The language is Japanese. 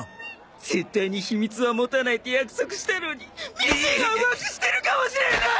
絶対に秘密は持たないって約束したのにミッチーが浮気してるかもしれない！